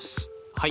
はい。